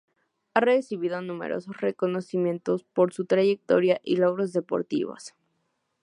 Ha recibido numerosos reconocimientos por su trayectoria y logros deportivos.